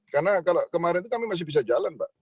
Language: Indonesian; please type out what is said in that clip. karena kalau kemarin itu kami masih bisa jalan pak